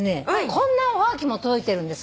こんなおはがきも届いてるんです。